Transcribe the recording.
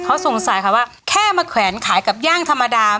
เขาสงสัยค่ะว่าแค่มาแขวนขายกับย่างธรรมดา